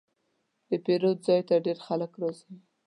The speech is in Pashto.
د پیرود ځای ته ډېر خلک راځي.